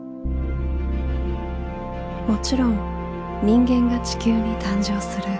もちろん人間が地球に誕生する